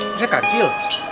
masalah kaki lho